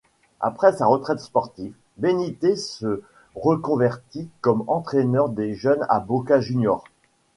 Après sa retraite sportive, Benítez se reconvertit comme entraîneur des jeunes à Boca Juniors.